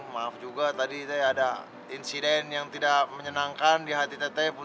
maaf juga tadi ada insiden yang tidak menyenangkan di hati tete